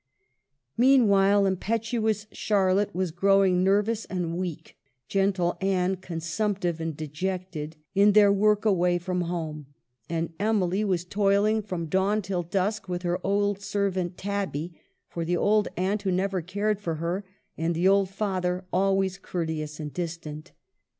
Meanwhile impetuous Charlotte was growing nervous and weak, gentle Anne consumptive and dejected, in their work away from home ; and Emily was toiling from dawn till dusk with her old servant Tabby for the old aunt who never cared for her, and the old father always courteous and distant.